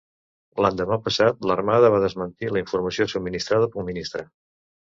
L'endemà passat l'Armada va desmentir la informació subministrada pel ministre.